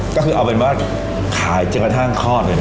ก็คือเอาเป็นว่าขายจนกระทั่งคลอดเลยนะ